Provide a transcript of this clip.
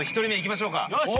よし！